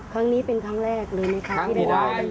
ครั้งนี้เป็นครั้งแรกเลยไหมคะที่ได้รับ